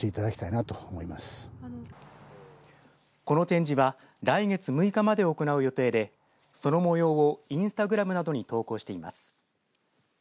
この展示は来月６日まで行う予定でその模様をインスタグラムなどに投稿しています。